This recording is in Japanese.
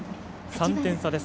３点差です。